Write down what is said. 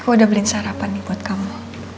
aku udah beliin sarapan nih buat kamu